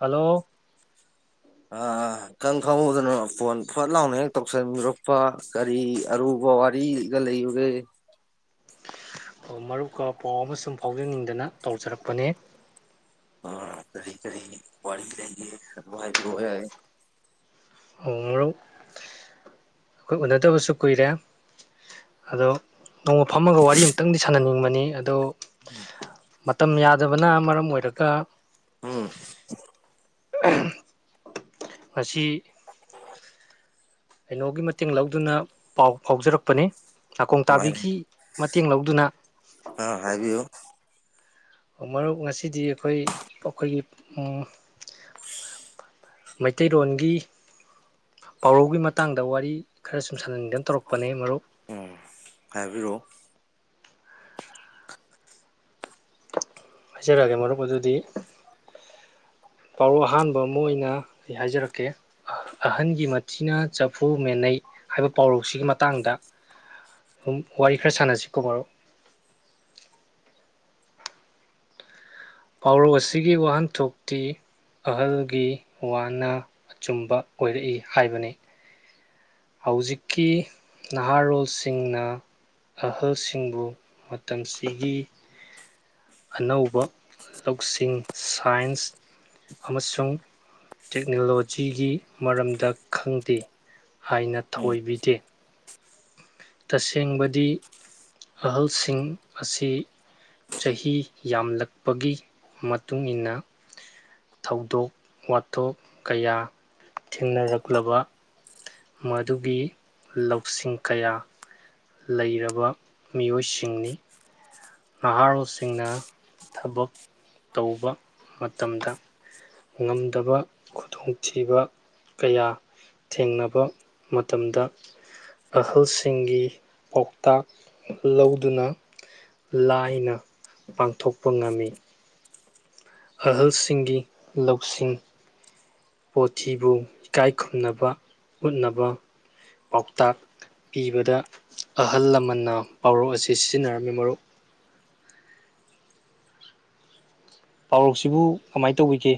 hello ꯑ ꯏꯈꯪꯈꯪꯍꯧꯗꯅꯣ phone ꯐꯠ ꯂꯥꯎꯅ ꯍꯦꯛ ꯇꯧꯁꯟꯕꯤꯔꯛꯄ ꯀꯔꯤ ꯑꯔꯨꯕ ꯋꯥꯔꯤꯒ ꯂꯩꯕꯒꯦ ꯃꯔꯨꯞꯀꯥ ꯄꯥꯎ ꯑꯃ ꯁꯨꯝ ꯐꯥꯎꯖꯅꯤꯡꯗꯅ ꯇꯧꯖꯔꯛꯄꯅꯦ ꯑ ꯀꯔꯤ ꯀꯔꯤ ꯋꯥꯔꯤꯂꯩꯒꯦ ꯋꯥ ꯍꯥꯏꯕꯤꯔꯛꯑꯣ ꯑꯣ ꯃ꯭ꯔꯨꯞ ꯑꯩꯈꯣꯏ ꯎꯅꯗꯕꯁꯨ ꯀꯨꯏꯔꯦ ꯑꯗꯣ ꯅꯣꯡꯃ ꯐꯝꯃꯒ ꯋꯥꯔꯤ ꯑꯃꯇꯪꯗꯤ ꯁꯥꯟꯅꯅꯤꯡꯕꯅꯤ ꯑꯗꯣ ꯎꯝ ꯃꯇꯝ ꯌꯥꯗꯕꯅ ꯃꯔꯝ ꯑꯣꯏꯔꯒ ꯎꯝ ꯃꯁꯤ ꯀꯩꯅꯣꯒꯤ ꯃꯇꯦꯡ ꯂꯧꯗꯨꯅ ꯄꯥꯎ ꯐꯥꯎꯖꯔꯛꯄꯅꯤ ꯅꯥꯀꯣꯡ ꯀꯃꯥꯏꯅ ꯇꯥꯕꯤꯒꯤ ꯃꯇꯦꯡ ꯂꯧꯗꯨꯅ ꯑꯥ ꯍꯥꯏꯕꯤꯌꯨ ꯃꯔꯨꯞ ꯉꯁꯤꯗꯤ ꯑꯩꯈꯣꯏ ꯑꯩꯈꯣꯏꯒꯤ ꯃꯩꯇꯩꯔꯣꯟꯒꯤ ꯄꯥꯎꯔꯧꯒꯤ ꯃꯇꯥꯡꯗ ꯋꯥꯔꯤ ꯈꯔ ꯁꯨꯝ ꯁꯥꯟꯅꯅꯤꯡꯗꯅ ꯇꯧꯔꯛꯄꯅꯦ ꯃꯔꯨꯞ ꯎꯝ ꯍꯥꯏꯕꯤꯔꯛꯑꯣ ꯍꯥꯏꯖꯔꯛꯑꯒꯦ ꯃꯔꯨꯞ ꯑꯗꯨꯗꯤ ꯄꯥꯎꯔ ꯑꯍꯥꯟꯕ ꯑꯃ ꯑꯣꯏꯅ ꯑꯩ ꯍꯥꯏꯖꯔꯛꯀꯦ ꯑꯍꯟꯒꯤ ꯃꯊꯤꯅ ꯆꯐꯨ ꯃꯦꯅꯩ ꯍꯥꯏꯕ ꯄꯥꯎꯔꯧꯁꯤꯒꯤ ꯃꯇꯥꯡꯗ ꯑꯗꯨꯝ ꯋꯥꯔꯤ ꯈꯔ ꯁꯥꯟꯅꯁꯤ ꯀꯧꯕꯣꯕꯥꯔꯣ [inaudible] ꯄꯥꯎꯔꯧ ꯑꯁꯤꯒꯤ ꯋꯥꯍꯟꯊꯣꯛꯇꯤ ꯑꯍꯜꯒꯤ ꯋꯥꯅ ꯑꯆꯨꯝꯕ ꯑꯣꯏꯔꯛꯏ ꯍꯥꯏꯕꯅꯤ ꯍꯧꯖꯤꯛꯀꯤ ꯅꯍꯥꯔꯣꯜꯁꯤꯡꯅ ꯑꯍꯜꯁꯤꯡꯕꯨ ꯃꯇꯝꯁꯤꯒꯤ ꯑꯅꯧꯕ ꯂꯧꯁꯤꯡ ꯁꯥꯏꯟꯁ ꯑꯃꯁꯨꯡ ꯇꯦꯛꯅꯣꯂꯣꯖꯤꯒꯤ ꯃꯔꯝꯗ ꯈꯪꯗꯦ ꯍꯥꯏꯅ ꯎꯝ ꯊꯧꯑꯣꯏꯕꯤꯗꯦ ꯇꯁꯦꯡꯕꯗꯤ ꯑꯍꯜꯁꯤꯡ ꯑꯁꯤ ꯆꯍꯤ ꯌꯥꯝꯂꯛꯄꯒꯤ ꯃꯇꯨꯡ ꯃꯇꯨꯡꯏꯟꯅ ꯊꯧꯗꯣꯛ ꯋꯥꯊꯣꯛ ꯀꯌꯥ ꯊꯦꯡꯅꯔꯛꯂꯕ ꯃꯗꯨꯒꯤ ꯂꯧꯁꯤꯡ ꯀꯌꯥ ꯂꯩꯔꯕ ꯃꯤꯑꯣꯏꯁꯤꯡꯅꯤ ꯅꯍꯥꯔꯣꯜꯁꯤꯡꯅ ꯊꯕꯛ ꯇꯧꯕ ꯃꯇꯝꯗ ꯉꯝꯗꯕ ꯈꯨꯗꯣꯡꯊꯤꯕ ꯀꯌꯥ ꯊꯦꯡꯅꯕ ꯃꯇꯝꯗ ꯑꯍꯜꯁꯤꯡꯒꯤ ꯄꯥꯎꯇꯥꯛ ꯂꯧꯗꯨꯅ ꯂꯥꯏꯅ ꯄꯥꯡꯊꯣꯛꯄ ꯉꯝꯃꯤ ꯑꯍꯜꯁꯤꯡꯒꯤ ꯂꯧꯁꯤꯡ ꯄꯣꯊꯤꯕꯨ ꯏꯀꯥꯏ ꯈꯨꯝꯅꯕ ꯎꯠꯅꯕ ꯄꯥꯎꯇꯥꯛ ꯄꯤꯕꯗ ꯑꯍꯜ ꯂꯃꯟꯅ ꯄꯥꯎꯔꯣꯛ ꯑꯁꯤ ꯁꯤꯖꯤꯟꯅꯔꯝꯃꯤ ꯃꯔꯨꯞ ꯎ ꯄꯥꯎꯔꯛꯁꯤꯕꯨ ꯀꯃꯥꯏꯅ ꯇꯧꯕꯤꯒꯦ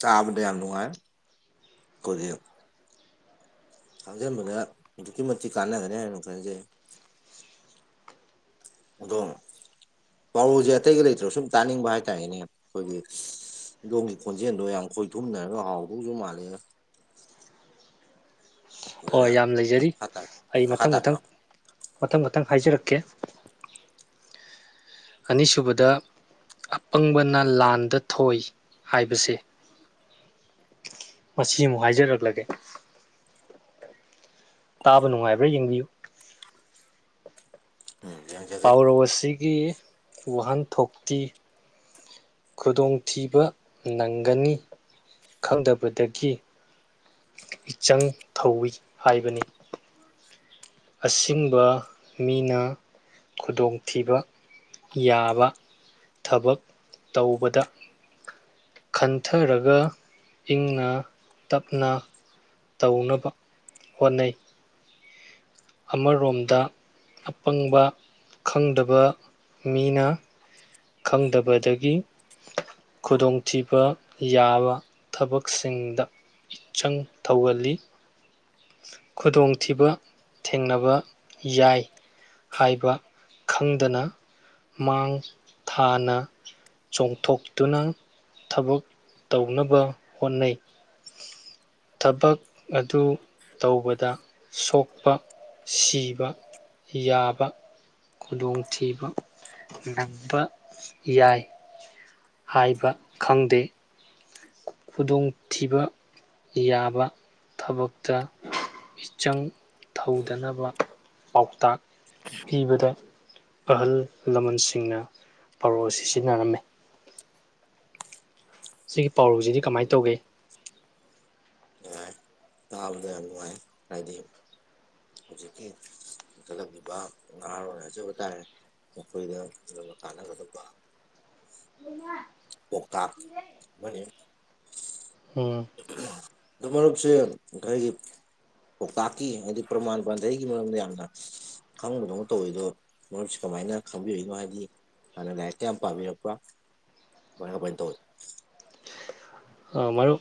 ꯇꯗꯌꯥꯅꯨ ꯍꯥꯏ ꯈꯨꯖꯤꯣ ꯈꯪꯖꯕꯗ ꯑꯗꯨꯛꯀꯤ ꯃꯇꯤꯛ ꯀꯥꯟꯅꯒꯅꯤ ꯍꯥꯏꯅ ꯈꯟꯖꯩ ꯑꯗꯣ ꯄꯥꯎꯔꯨꯁꯦ ꯑꯇꯩꯒ ꯂꯩꯇ꯭ꯔꯣ ꯁꯨꯝ ꯇꯥꯅꯤꯡꯕ ꯍꯥꯏꯇꯥꯔꯦꯅꯦ ꯑꯩꯈꯣꯏꯒꯤ ꯑꯗꯣꯝꯒꯤ ꯈꯣꯟꯖꯦꯜꯗꯣ ꯌꯥꯝ ꯈꯣꯏꯊꯨꯝꯅꯔꯒ ꯍꯥꯎꯗꯧꯁꯨ ꯃꯥꯜꯂꯦ ꯎ ꯍꯣꯏ ꯑꯗꯨꯅ ꯌꯥꯝ ꯂꯩꯖꯔꯤ ꯃꯈꯥ ꯇꯥ ꯑꯩ ꯃꯈꯥ ꯃꯊꯪ ꯃꯊꯪ ꯇꯥꯕꯤꯔꯣ ꯃꯊꯪ ꯃꯊꯪ ꯍꯥꯏꯖꯔꯛꯀꯦ ꯑꯅꯤꯁꯨꯕꯗ ꯑꯄꯪꯕꯅ ꯂꯥꯟꯗ ꯊꯣꯏ ꯍꯥꯏꯕꯁꯦ ꯃꯁꯤ ꯑꯃꯨꯛ ꯍꯥꯏꯖꯔꯛꯂꯒꯦ ꯇꯥꯕ ꯅꯨꯡꯉꯥꯏꯕ꯭ꯔꯥ ꯌꯦꯡꯕꯤꯌꯨ ꯎꯝ ꯌꯦꯡꯖꯒꯦ ꯄꯥꯎꯔꯧ ꯑꯁꯤꯒꯤ ꯋꯥꯍꯟꯊꯣꯛꯇꯤ ꯈꯨꯗꯣꯡꯊꯤꯕ ꯅꯪꯒꯅꯤ ꯈꯪꯗꯕꯗꯒꯤ ꯏꯆꯪ ꯊꯧꯏ ꯍꯥꯏꯕꯅꯤ ꯑꯁꯤꯒꯦꯡꯕ ꯃꯤꯅ ꯈꯨꯗꯣꯡꯊꯤꯕ ꯌꯥꯕ ꯊꯕꯛ ꯇꯧꯕꯗ ꯈꯟꯊꯔꯒ ꯏꯪꯅ ꯇꯞꯅ ꯇꯧꯅꯕ ꯍꯣꯠꯅꯩ ꯑꯃꯔꯣꯝꯗ ꯑꯄꯪꯕ ꯈꯪꯗꯕ ꯃꯤꯅ ꯈꯪꯗꯕꯗꯒꯤ ꯈꯨꯗꯣꯡꯊꯤꯕ ꯌꯥꯕ ꯊꯕꯛꯁꯤꯡꯗ ꯏꯆꯪ ꯊꯧꯍꯜꯂꯤ ꯈꯨꯗꯣꯡꯊꯤꯕ ꯊꯦꯡꯅꯕ ꯌꯥꯏ ꯍꯥꯏꯕ ꯈꯪꯗꯅ ꯃꯥꯡ ꯊꯥꯅ ꯆꯣꯡꯊꯣꯛꯇꯨꯅ ꯊꯕꯛ ꯇꯧꯅꯕ ꯍꯣꯠꯅꯩ ꯊꯕꯛ ꯑꯗꯨ ꯇꯧꯕꯗ ꯁꯣꯛꯄ ꯁꯤꯕ ꯌꯥꯕ ꯈꯨꯗꯣꯡꯊꯤꯕ ꯅꯪꯕ ꯌꯥꯏ ꯍꯥꯏꯕ ꯈꯪꯗꯦ ꯈꯨꯗꯣꯡꯊꯤꯕ ꯌꯥꯕ ꯊꯕꯛꯇ ꯏꯆꯪ ꯊꯧꯗꯅꯕ ꯄꯥꯎꯇꯥꯛ ꯄꯤꯕꯗ ꯑꯍꯜ ꯂꯃꯟꯁꯤꯡꯅ ꯄꯔꯧ ꯑꯁꯤ ꯁꯤꯖꯤꯟꯅꯔꯝꯃꯤ ꯁꯤꯒꯤ ꯄꯥꯎꯔꯧꯁꯤꯗꯤ ꯀꯃꯥꯏꯅ ꯇꯧꯒꯦ ꯅꯨꯡꯉꯥꯏ ꯇꯥꯕꯗ ꯌꯥꯝ ꯅꯨꯡꯉꯥꯏ ꯀꯗꯤ ꯍꯧꯖꯤꯛꯀꯤ ꯏ ꯆꯠꯂꯛꯂꯤꯕ ꯅꯍꯥꯔꯣꯟ ꯍꯥꯏꯖꯕ ꯇꯥꯔꯦ ꯑꯩꯈꯣꯏꯗ ꯀ ꯀꯥꯟꯅꯒꯗꯕ ꯎ ꯄꯣꯛꯇꯥ ꯃꯅꯤ ꯎꯝ ꯑꯗꯨ ꯃꯔꯨꯞꯁꯦ ꯑꯩꯔꯤꯒꯤ ꯄꯥꯎꯇꯥꯛꯀꯤ ꯍꯥꯏꯗꯤ ꯄ꯭ꯔꯃꯥꯟ ꯄꯥꯟꯙꯩꯒꯤ ꯃꯔꯝꯗ ꯌꯥꯝꯅ ꯈꯪꯕꯗꯧꯅ ꯇꯧꯋꯤꯗꯣ ꯃꯔ ꯀꯃꯥꯏꯅ ꯈꯪꯕꯤꯏꯅꯣ ꯍꯥꯏꯗꯤ ꯍꯥꯟꯅ ꯂꯥꯏꯔꯤꯛꯛꯇ ꯌꯥꯝ ꯄꯥꯝꯕꯤꯔꯛꯄ꯭ꯔꯥ ꯃꯄ ꯇ ꯃꯔꯨꯞ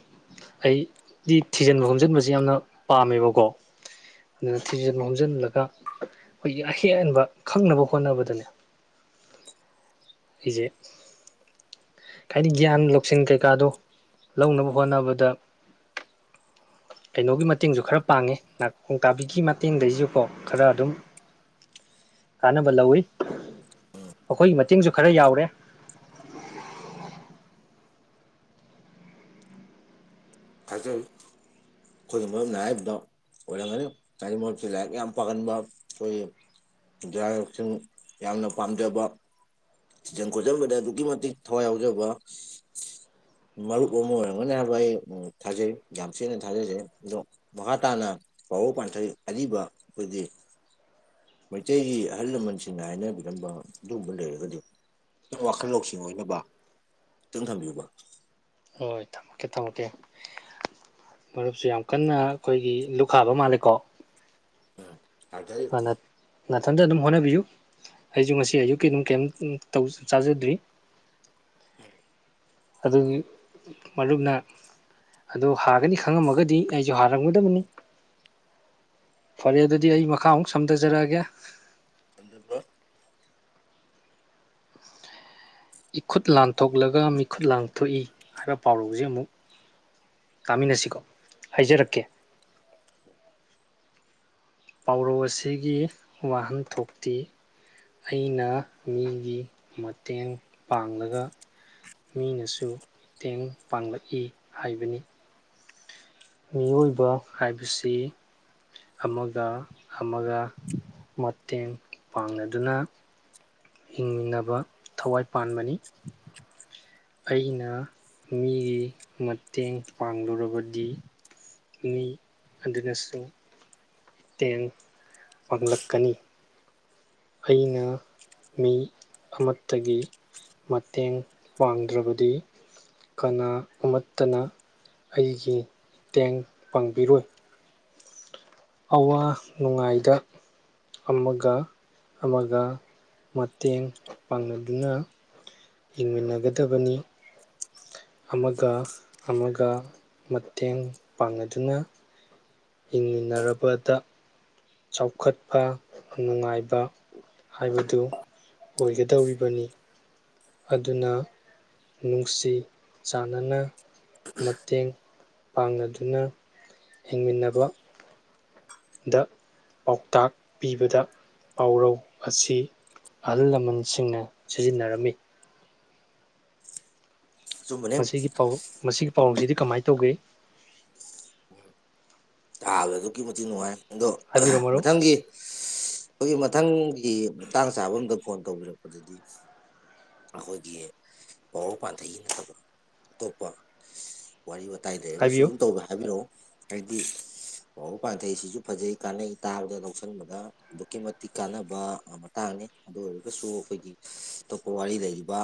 ꯑꯩꯗꯤ ꯊꯤꯖꯤꯟꯕ ꯈꯣꯝꯖꯤꯟꯕꯁꯦ ꯌꯥꯝꯅ ꯄꯥꯝꯃꯦꯕꯀꯣ ꯑꯗꯨꯅ ꯊꯤꯖ ꯂꯣꯝꯖꯤꯜꯂꯒ ꯑꯩꯈꯣꯏꯒꯤ ꯑꯍꯦꯟ ꯍꯦꯟꯕ ꯈꯪꯅꯕ ꯍꯣꯠꯅꯕꯗꯅꯦ ꯍꯝ ꯑꯩꯁꯦ ꯍꯥꯏꯗꯤ ꯒ꯭ꯌꯥꯟ ꯂꯧꯁꯤꯟ ꯀꯩꯀꯥꯗꯣ ꯂꯧꯅꯕ ꯍꯣꯠꯅꯕꯗ ꯀꯩꯅꯣꯒꯤ ꯃꯇꯦꯡꯁꯨ ꯈꯔ ꯄꯥꯡꯉꯤ ꯅꯥꯈꯣꯡ ꯇꯥꯕꯤꯒꯤ ꯃꯇꯦꯡꯗꯒꯤꯁꯨꯀꯣ ꯈꯔ ꯑꯗꯨꯝ ꯀꯥꯟꯅꯕ ꯂꯧꯋꯤ ꯃꯈꯣꯏꯒꯤ ꯃꯇꯦꯡꯁꯨ ꯈꯔ ꯌꯥꯎꯔꯦ [inaudible] ꯊꯥꯖꯔꯤ ꯑꯩꯈꯣꯏꯒꯤ ꯃꯔꯝꯅ ꯍꯥꯏꯕꯗꯣ ꯑꯣꯔ ꯀꯅꯤꯃ ꯌꯥꯝ ꯄꯟꯕꯣꯏ ꯁꯤꯡ ꯌꯥꯝꯅ ꯄꯥꯝꯖꯕ ꯁꯖꯟ ꯈꯣꯠꯆꯟꯕꯗ ꯑꯗꯨꯛꯀꯤ ꯃꯇꯤꯛ ꯊꯋꯥꯏ ꯌꯥꯎꯖꯕ ꯎꯝ ꯃꯔꯨꯞ ꯑꯃ ꯑꯣꯏꯔꯝꯒꯅꯤ ꯍꯥꯏꯕ ꯑꯩ ꯊꯥꯖꯩ ꯌꯥꯝ ꯊꯦꯅ ꯊꯥꯖꯖꯩ ꯑꯗꯣ ꯃꯈꯥ ꯇꯥꯅ ꯄꯥꯎꯕ ꯄꯥꯟꯊꯩ ꯑꯔꯤꯕ ꯑꯩꯈꯣꯏꯗꯤ ꯃꯩꯇꯩꯒꯤ ꯑꯍꯜ ꯂꯃꯟꯁꯤꯡꯅ ꯍꯥꯏꯅꯕꯤꯔꯝꯕ ꯑꯗꯨꯒꯨꯝꯕ ꯂꯩꯔꯒꯗꯤ ꯋꯥꯈꯜ ꯂꯧꯁꯤꯡꯕ ꯈꯤꯇꯪ ꯊꯝꯕꯤꯌꯨꯕ ꯊꯝꯃꯀꯦ ꯊꯝꯃꯀꯦ ꯃꯔꯨꯞꯁꯨ ꯌꯥꯝ ꯀꯟꯅ ꯑꯩꯈꯣꯏꯒꯤ ꯂꯨꯈꯥꯕ ꯃꯥꯜꯂꯦꯀꯣ ꯑꯗꯨꯗꯩ ꯂꯥꯊꯟꯗ ꯑꯗꯨꯝ ꯍꯣꯠꯅꯕꯤꯌꯨ ꯑꯩꯁꯨ ꯉꯁꯤ ꯑꯌꯨꯛꯀꯤ ꯑꯗꯨꯝ ꯀꯩ ꯆꯥꯖꯗ꯭ꯔꯤ ꯎꯝ ꯑꯗꯨꯒꯤ ꯃꯔꯨꯞꯅ ꯑꯗꯨꯗ ꯍꯥꯒꯅꯤ ꯈꯪꯉꯝꯃꯒꯗꯤ ꯑꯩꯁꯨ ꯍꯥꯔꯝꯒꯗꯕꯅꯤ ꯐꯔꯦ ꯑꯗꯨꯗꯤ ꯑꯩ ꯃꯈꯥ ꯑꯃꯨꯛ ꯁꯝꯊꯖꯔꯛꯑꯒꯦ ꯀꯗꯄ ꯏꯈꯨꯠ ꯂꯥꯟꯊꯣꯛꯂꯒ ꯃꯤꯈꯨꯠ ꯂꯥꯟꯊꯣꯛꯏ ꯍꯥꯏꯕ ꯄꯥꯎꯔꯧꯁꯦ ꯑꯃꯨꯛ ꯀꯥꯃꯤꯟꯅꯁꯤꯀꯣ ꯍꯥꯏꯖꯔꯛꯀꯦ ꯄꯥꯎꯔꯧ ꯑꯁꯤꯒꯤ ꯋꯥꯍꯟꯊꯣꯛꯇꯤ ꯑꯩꯅ ꯃꯤꯒꯤ ꯃꯇꯦꯡ ꯄꯥꯡꯂꯒ ꯃꯤꯅꯁꯨ ꯃꯇꯦꯡ ꯄꯥꯡꯂꯛꯏ ꯍꯥꯏꯕꯅꯤ ꯃꯤꯑꯣꯏꯕ ꯍꯥꯏꯕꯁꯤ ꯑꯃꯒ ꯑꯃꯒ ꯃꯇꯦꯡ ꯄꯥꯡꯅꯗꯨꯅ ꯍꯤꯡꯃꯤꯟꯅꯕ ꯊꯋꯥꯏ ꯄꯥꯟꯕꯅꯤ ꯑꯩꯅ ꯃꯤꯒꯤ ꯃꯇꯦꯡ ꯄꯥꯡꯂꯨꯔꯕꯗꯤ ꯃꯤ ꯑꯗꯤꯅꯥꯁꯨ ꯇꯦꯡ ꯄꯥꯡꯂꯛꯀꯅꯤ ꯑꯩꯅ ꯃꯤ ꯑꯃꯠꯇꯒꯤ ꯃꯇꯦꯡ ꯄꯥꯡꯗ꯭ꯔꯕꯗꯤ ꯀꯅꯥ ꯑꯃꯠꯇꯅ ꯑꯩꯒꯤ ꯃꯇꯦꯡ ꯄꯥꯡꯕꯤꯔꯣꯏ ꯑꯋꯥ ꯅꯨꯡꯉꯥꯏꯗ ꯑꯃꯒ ꯑꯃꯒ ꯃꯇꯦꯡ ꯄꯥꯡꯅꯗꯨꯅ ꯍꯤꯡꯃꯤꯟꯅꯒꯗꯕꯅꯤ ꯑꯃꯒ ꯑꯃꯒ ꯃꯇꯦꯡ ꯄꯥꯡꯅꯗꯨꯅ ꯍꯤꯡꯃꯤꯟꯅꯔꯕꯗ ꯆꯥꯎꯈꯠꯄ ꯅꯨꯡꯉꯥꯏꯕ ꯍꯥꯏꯕꯗꯨ ꯑꯣꯏꯒꯗꯧꯔꯤꯕꯅꯤ ꯑꯗꯨꯅ ꯅꯨꯡꯁꯤ ꯆꯥꯟꯅꯅ ꯃꯇꯦꯡ ꯄꯥꯡꯅꯗꯨꯅ ꯍꯤꯡꯃꯤꯟꯅꯕ ꯗ ꯄꯥꯎꯇꯥꯛ ꯄꯤꯕꯗ ꯄꯥꯎꯔꯧ ꯑꯁꯤ ꯑꯍꯜ ꯂꯃꯟꯁꯤꯡꯅ ꯁꯤꯖꯤꯟꯅꯔꯝꯃꯤ ꯑꯆꯨꯝꯕꯅꯦ ꯃꯁꯤꯒꯤ ꯄꯥꯎ ꯃꯁꯤꯒꯤ ꯄꯥꯎꯁꯤꯗꯤ ꯀꯃꯥꯏꯅ ꯇꯧꯒꯦ ꯊꯥꯕꯗ ꯑꯗꯨꯛꯀꯤ ꯃꯇꯤꯛ ꯅꯨꯡꯉꯥꯏ ꯑꯗꯣ ꯍꯥꯏꯕꯤꯔꯣ ꯃꯔꯨꯞ ꯃꯊꯪꯒꯤ ꯑꯩꯈꯣꯏꯒꯤ ꯃꯊꯪꯒꯤ ꯇꯥꯡ ꯆꯥꯕ ꯑꯝꯗ ꯐꯣꯟ ꯇꯧꯕꯤꯔꯛꯄꯗꯗꯤ ꯑꯩꯈꯣꯏꯒꯤ ꯄꯔꯧ ꯄꯥꯟꯊꯩꯒꯤ ꯅꯠꯇꯕ ꯑꯇꯣꯞꯄ ꯋꯥꯔꯤ ꯋꯥꯇꯥꯏ ꯑꯇꯥꯏ ꯂꯩꯔꯒꯁꯨ ꯍꯥꯏꯕꯤꯌꯨ ꯑꯗꯨꯝ ꯇꯧꯕꯦ ꯍꯥꯏꯕꯤꯔꯛꯑꯣ ꯍꯥꯏꯗꯤ ꯑꯣ ꯄꯥꯡꯊꯩ ꯁꯤꯁꯨ ꯐꯖꯩ ꯀꯥꯟꯅꯩ ꯇꯥꯕꯗ ꯂꯧꯁꯟꯕꯗ ꯑꯗꯨꯛꯀꯤ ꯃꯇꯤꯛ ꯀꯥꯟꯅꯕ ꯃꯇꯥꯡ ꯑꯗꯨ ꯑꯣꯏꯔꯒꯁꯨ ꯑꯩꯈꯣꯏꯒꯤ ꯑꯇꯣꯞꯄ ꯋꯥꯔꯤ ꯂꯩꯔꯤꯕ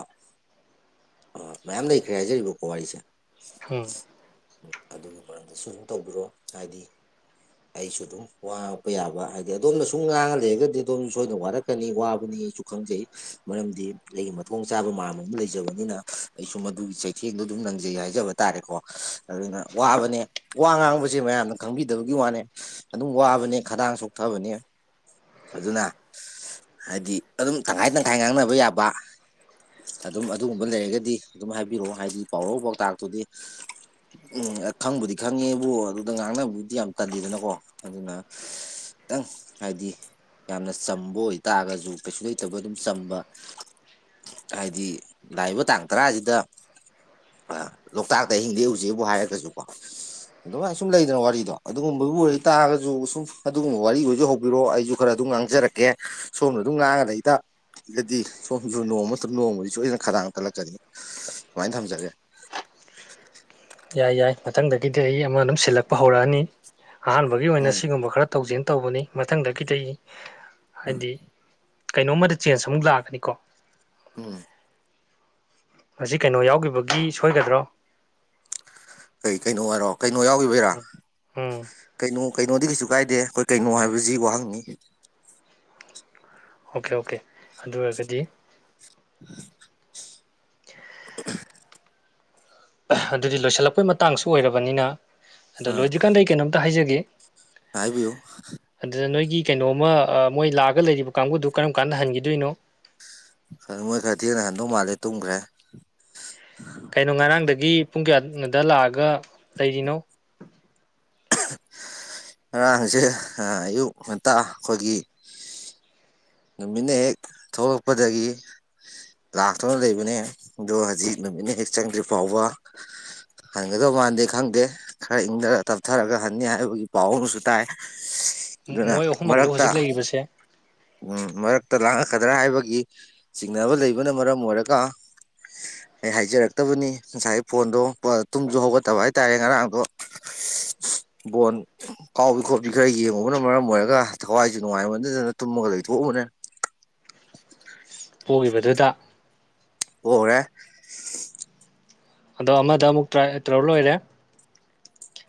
ꯑ ꯃꯌꯥꯝ ꯂꯩꯈ꯭ꯔꯦ ꯍꯥꯏꯖꯔꯤꯕꯀ ꯄꯨꯋꯥꯔꯤꯁꯦ ꯎꯝ ꯎꯝ ꯑꯗꯨꯒꯤ ꯃꯔꯝꯗꯁꯨ ꯑꯗꯨꯝ ꯇꯧꯕꯤꯔꯣ ꯍꯥꯏꯗꯤ ꯑꯩꯁꯨ ꯑꯗꯨꯝ ꯋꯥꯛꯄ ꯌꯥꯕ ꯍꯥꯏꯗꯤ ꯑꯗꯣꯝꯅ ꯁꯨꯝ ꯉꯥꯡꯍꯂꯔꯒꯗꯤ ꯑꯗꯨꯝ ꯁꯣꯏꯗꯅ ꯋꯥꯔꯛꯀꯅꯤ ꯋꯥꯕꯅꯤ ꯑꯩ ꯑꯩꯁꯨ ꯈꯪꯖꯩ ꯃꯔꯝꯗꯤ ꯑꯩꯒꯤ ꯃꯊꯣꯡ ꯆꯥꯕ ꯃꯌꯥꯝ ꯑꯃ ꯂꯩꯖꯕꯅꯤꯅ ꯑꯩꯁꯨ ꯃꯗꯨꯒꯤ ꯆꯩꯊꯦꯡꯗꯣ ꯑꯗꯨꯝ ꯅꯪꯖꯩ ꯍꯥꯏꯖꯕ ꯇꯥꯔꯦꯀꯣ ꯑꯗꯨꯅ ꯋꯥꯕꯅꯦ ꯋꯥ ꯉꯥꯡꯕꯁꯦ ꯃꯌꯥꯝꯅ ꯈꯪꯕꯤꯗꯕꯒꯤ ꯋꯥꯅꯦ ꯑꯗꯨꯝ ꯋꯥꯕꯅꯦ ꯈꯗꯥꯡꯁꯨ ꯊꯣꯛꯊꯕꯅꯤ ꯑꯗꯨꯅ ꯍꯥꯏꯗꯤ ꯑꯗꯨꯝ ꯇꯪꯈꯥꯏ ꯇꯪꯈꯥꯏ ꯉꯥꯡꯅꯕ ꯌꯥꯕ ꯑ ꯑꯗꯨꯝ ꯑꯗꯨꯒꯨꯝꯕ ꯂꯩꯔꯒꯗꯤ ꯑꯗꯨꯝ ꯍꯥꯏꯕꯤꯔꯛꯑꯣ ꯍꯥꯏꯗꯤ ꯄꯥꯎꯔ ꯄꯥꯎꯇꯥꯛꯇꯨꯗꯤ ꯎꯝ ꯈꯪꯕꯨꯗꯤ ꯈꯪꯉꯦꯕꯨ ꯑꯗꯨꯗ ꯉꯥꯡꯅꯕꯕꯨꯗꯤ ꯌꯥꯝ ꯀꯜꯂꯤꯗꯅꯀꯣ ꯑꯗꯨꯅ ꯇꯪ ꯍꯥꯏꯕꯗꯤ ꯌꯥꯝꯅ ꯆꯝꯕ ꯑꯣꯏꯇꯥꯔꯒꯁꯨ ꯀꯩꯁꯨ ꯂꯩꯇꯕ ꯑꯗꯨꯝ ꯆꯝꯕ ꯍꯥꯏꯗꯤ ꯂꯥꯛꯏꯕ ꯇꯥꯡ ꯇꯔꯥꯁꯤꯗ ꯑ ꯂꯣꯛꯇꯥꯛꯇ ꯍꯤꯡꯗꯦ ꯍꯧꯖꯤꯦꯛꯕꯨ ꯍꯥꯏꯔꯒꯁꯨꯀꯣ ꯑꯗꯨꯃꯥꯏꯅ ꯁꯨꯝ ꯂꯩꯗꯅ ꯋꯥꯔꯤꯗꯣ ꯑꯗꯨꯒꯨꯝꯕꯕꯨ ꯑꯣꯏ ꯇꯥꯔꯒꯁꯨ ꯁꯨꯝ ꯑꯗꯨꯒꯨꯝꯕ ꯋꯥꯔꯤ ꯑꯣꯏꯁꯨ ꯍꯧꯕꯤꯔꯣꯑꯣ ꯑꯩꯁꯨ ꯈꯔ ꯑꯗꯨꯝ ꯉꯥꯡꯖꯔꯛꯀꯦ ꯁꯣꯝꯅ ꯑꯗꯨꯝ ꯂꯥꯡꯉꯗ ꯍꯗꯗꯗꯤ ꯁꯁꯨꯨ ꯅꯣꯡꯃ ꯃꯇꯨꯡ ꯅꯣꯡꯃꯗꯤ ꯁꯣꯏꯗꯅ ꯈꯗꯥꯡꯅ ꯀꯠꯂꯛꯀꯅꯤ ꯁꯨꯃꯥꯏꯅ ꯊꯝꯖꯒꯦ [unintelligible] ꯌꯥꯏ ꯌꯥꯏ ꯃꯊꯪꯗꯒꯤꯗꯤ ꯑꯩ ꯑꯃ ꯑꯗꯨꯝ ꯁꯤꯜꯂꯛꯄ ꯍꯧꯔꯛꯑꯅꯤ ꯑꯍꯥꯟꯕꯒꯤ ꯑꯣꯏꯅ ꯎꯝ ꯁꯤꯒꯨꯝꯕ ꯈꯔ ꯇꯧꯁꯤꯟ ꯇꯧꯕꯅꯤ ꯃꯊꯪꯗ ꯈꯤꯇ ꯍꯥꯏꯗꯤ ꯀꯩꯅꯣꯝꯃꯗ ꯆꯦꯟꯖ ꯑꯃꯨꯛ ꯂꯥꯛꯑꯒꯅꯤꯀꯣ ꯎꯝ ꯃꯁꯤ ꯀꯩꯅꯣ ꯌꯥꯎꯈꯤꯕꯒꯤ ꯁꯣꯏꯒꯗ꯭ꯔꯣ ꯀꯩ ꯀꯩꯅꯣ ꯑꯣꯏꯔꯣ ꯀꯩꯅꯣ ꯌꯥꯎꯕꯩꯔꯥ ꯎꯝ ꯎꯝ ꯀꯩꯅꯣ ꯀꯩꯅꯣꯗꯤ ꯀꯩꯁꯨ ꯀꯥꯏꯗꯦ ꯑꯩꯈꯣꯏ ꯀꯩꯅꯣ ꯍꯥꯏꯕꯁꯤ ꯋꯥꯍꯪꯅꯤ ꯑꯣꯀꯦ ꯑꯣꯀꯦ ꯑꯗꯨ ꯑꯣꯏꯔꯒꯗꯤ ꯎꯝ [unintelligible] ꯑꯗꯨꯗꯤ ꯂꯣꯏꯁꯤꯜꯂꯛꯄꯩ ꯃꯇꯥꯡꯁꯨ ꯑꯣꯏꯔꯕꯅꯤꯅ ꯑꯗꯣ ꯑꯥ ꯂꯣꯏꯗ꯭ꯔꯤꯀꯥꯟꯗ ꯑꯩ ꯀꯩꯅꯣꯝꯇ ꯍꯥꯏꯖꯒꯦ ꯍꯥꯏꯕꯤꯌꯨ ꯀꯩꯅꯣꯃ ꯃꯣꯏ ꯂꯥꯛꯑꯒ ꯂꯩꯔꯤꯕ ꯀꯥꯡꯕꯨꯗꯨ ꯀꯔꯝ ꯀꯥꯟꯗ ꯍꯟꯈꯤꯗꯣꯏꯅꯣ ꯈꯔ ꯃꯣꯏ ꯈꯔ ꯊꯦꯡꯅ ꯍꯟꯗꯧ ꯃꯥꯜꯂꯦ ꯇꯨꯝꯈ꯭ꯔꯦ ꯀꯩꯅꯣ ꯉꯔꯥꯡꯗꯒꯤ ꯄꯨꯡ ꯀꯌꯥꯅꯣꯗ ꯂꯥꯛꯑꯒ ꯂꯩꯔꯤꯅꯣ ꯉꯔꯥꯡꯁꯦ ꯑꯌꯨꯛ ꯉꯟꯇꯥ ꯑꯩꯈꯣꯏꯒꯤ ꯅꯃꯤꯟꯅ ꯍꯦꯛ ꯊꯒꯛꯄꯗꯗꯒꯤ ꯂꯥꯛꯇꯨꯅ ꯂꯩꯕꯅꯦ ꯑꯗꯣ ꯍꯧꯖꯤꯛ ꯅꯨꯃꯤꯠꯅꯤ ꯍꯦꯛ ꯆꯪꯗ꯭ꯔꯤ ꯐꯥꯎꯕ ꯍꯟꯒꯗꯧ ꯃꯥꯟꯗꯦ ꯈꯪꯗꯦ ꯈꯔ ꯏꯪꯊꯔ ꯇꯞꯊꯔꯒ ꯍꯟꯅꯤ ꯍꯥꯏꯕꯒꯤ ꯄꯥꯎ ꯑꯃꯁꯨ ꯇꯥꯏ ꯑꯗꯨꯅ ꯃꯣꯏ ꯑꯍꯨꯝꯃꯛꯂꯣ ꯃꯔꯛꯇ ꯍꯧꯖꯤꯛ ꯂꯩꯔꯤꯕꯁꯦ ꯎ ꯃꯔꯛꯇ ꯂꯥꯡꯉꯛꯀꯗ꯭ꯔꯥ ꯍꯥꯏꯕꯒꯤ ꯆꯤꯡꯅꯕ ꯂꯩꯕꯅ ꯃꯔꯝ ꯑꯣꯏꯔꯒ ꯑꯩ ꯍꯥꯏꯖꯔꯛꯇꯕꯅꯤ ꯉꯁꯥꯏꯒꯤ ꯐꯣꯟꯗꯣ ꯇꯨꯝꯁꯨ ꯍꯧꯒꯠꯇꯕ ꯍꯥꯏꯇꯥꯔꯦ ꯉꯔꯥꯡꯗꯣ ꯕꯣꯟ ꯀꯥꯎꯕꯤ ꯈꯣꯠꯄꯤ ꯈꯔ ꯌꯦꯡꯉꯨꯕꯅ ꯃꯔꯝ ꯑꯣꯏꯔꯒ ꯊꯋꯥꯏꯁꯨ ꯅꯨꯡꯉꯥꯏꯔꯃꯗꯗꯅ ꯃꯒ ꯂꯩ ꯍ ꯃꯅꯦ ꯄꯣꯛꯂꯤꯕꯗꯨꯗ ꯑꯣ ꯑꯗꯣ ꯑꯃꯗ ꯑꯃꯨꯛ ꯇꯣ ꯂꯣꯏꯔꯦ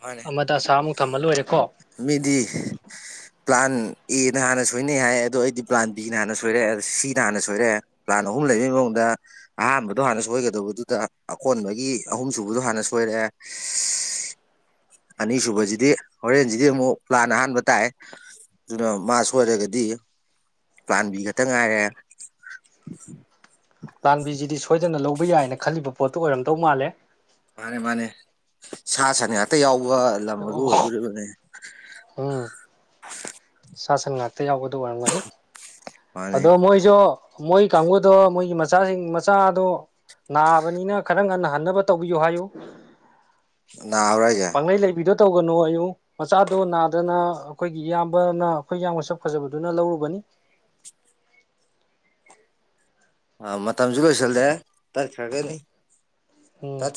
ꯃꯥꯅꯦ ꯑꯃꯗ ꯑꯁꯥꯃꯨꯛ ꯊꯝꯃ ꯂꯣꯏꯔꯦ ꯃꯤꯗꯤ ꯄ꯭ꯂꯥꯟ ꯑꯦꯅ ꯍꯥꯟꯅ ꯁꯣꯏꯅꯩ ꯍꯥꯏ ꯑꯗꯣ ꯑꯩꯗꯤ ꯄ꯭ꯂꯥꯟ ꯕꯤꯅ ꯍꯥꯟꯅ ꯁꯣꯏꯔꯦ ꯁꯤꯅ ꯍꯥꯟꯅ ꯁꯣꯏꯔꯦ ꯄ꯭ꯂꯥꯟ ꯑꯍꯨꯝ ꯂꯩꯕꯩ ꯃꯑꯣꯡꯗ ꯑꯍꯥꯟꯕꯗꯣ ꯍꯥꯟꯅ ꯁꯣꯏꯒꯗꯧꯕꯗꯨꯗ ꯑꯀꯣꯟꯕꯒꯤ ꯑꯍꯨꯝ ꯁꯨꯕꯗꯣ ꯍꯥꯟꯅ ꯁꯣꯏꯔꯛꯑꯦ [unintelligible] ꯑꯅꯤꯁꯨꯨꯕꯁꯤꯗꯤ ꯍꯣꯔꯦꯟꯁꯤꯗꯤ ꯑꯃꯨꯛ ꯂꯥꯟꯅ ꯑꯍꯥꯟꯕ ꯇꯥꯏ ꯑꯗꯨꯅ ꯃꯥ ꯁꯣꯏꯔꯒꯗꯤ ꯄꯥꯟꯕꯤ ꯈꯛꯇ ꯉꯥꯏꯔꯦ ꯎꯝ ꯎ ꯂꯥꯟꯕꯤꯁꯤꯗꯤ ꯁꯣꯏꯗꯅ ꯂꯧꯕ ꯌꯥꯏꯅ ꯈꯜꯂꯤꯕ ꯄꯣꯠꯇꯨ ꯑꯣꯏꯔꯝꯗꯧ ꯃꯥꯜꯂꯦ ꯃꯥꯅꯦ ꯃꯥꯅꯦ ꯁꯥ ꯁꯅꯦ ꯑꯇꯩ ꯌꯥꯎꯕ ꯎ ꯋꯥ ꯂꯝ ꯑꯗꯨ ꯑꯣ ꯑꯣꯏꯗꯣꯔꯤꯕꯅꯤ ꯎꯝ ꯁꯥ ꯁꯟ ꯉꯥꯛꯇ ꯌꯥꯎꯕꯗ ꯑꯣꯏꯔꯝꯒꯅꯤ ꯃꯥꯅꯦ ꯑꯗꯣ ꯃꯣꯏꯁꯨ ꯃꯣꯏ ꯀꯥꯡꯕꯨꯗꯣ ꯃꯣꯏꯒꯤ ꯃꯆꯥꯁꯤꯡ ꯃꯆꯥꯗꯣ ꯅꯥꯕꯅꯤꯅ ꯈꯔ ꯉꯟꯅ ꯍꯟꯅꯕ ꯇꯧꯕꯤꯌꯨ ꯍꯥꯏꯌꯨ ꯍꯧꯔ ꯍꯥꯏꯖꯦ ꯄꯥꯡꯂꯩ ꯂꯩꯕꯤꯗꯣ ꯇꯧꯒꯅꯨ ꯑꯌꯨ ꯃꯆꯥꯗꯣ ꯅꯥꯗꯅ ꯑꯩꯈꯣꯏꯒꯤ ꯏꯌꯥꯝꯕꯅ ꯑꯩꯈꯣꯏ ꯏꯌꯥꯝꯕꯁꯛ ꯐꯖꯕꯗꯨꯅ ꯂꯧꯔꯨꯕꯅꯤ [unintelligible] ꯑ ꯃ ꯃꯇꯝꯁꯨ ꯀ ꯆꯜꯗꯦ ꯇꯔ ꯈꯒꯦꯅꯤ ꯎꯝ